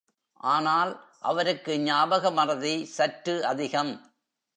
ஆனால், அவருக்கு ஞாபகமறதி சற்று அதிகம்.